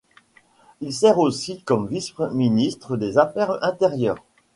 Il sert aussi comme vice-ministre des Affaires intérieures.